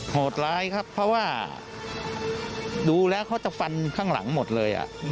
โหดร้ายครับเพราะว่าดูแล้วเขาจะฟันข้างหลังหมดเลย